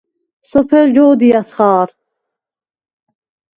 სოფელ ჯო̄დიას ხა̄რ.